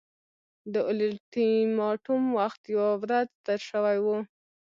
د اولټیماټوم وخت یوه ورځ تېر شوی وو.